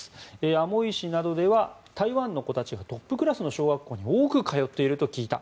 アモイ市などでは台湾の子たちがトップクラスの小学校に多く通っていると聞いた。